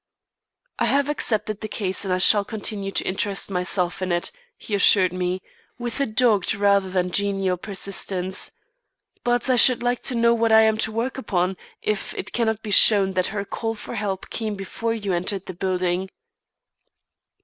"I have accepted the case and I shall continue to interest myself in it," he assured me, with a dogged rather than genial persistence. "But I should like to know what I am to work upon, if it cannot be shown that her call for help came before you entered the building."